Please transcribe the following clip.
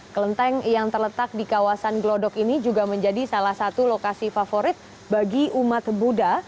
kelenteng yang terletak di kawasan glodok ini juga menjadi salah satu lokasi favorit bagi umat buddha